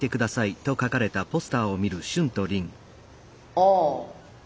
ああ。